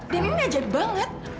dan ini ajaib banget